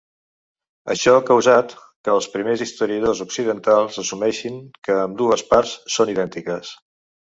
Això ha causat que els primers historiadors occidentals assumeixin que ambdues parts són idèntiques.